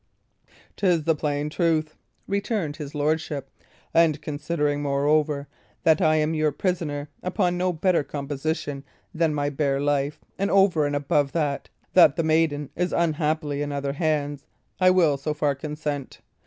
"'Tis the plain truth," returned his lordship. "And considering, moreover, that I am your prisoner, upon no better composition than my bare life, and over and above that, that the maiden is unhappily in other hands, I will so far consent.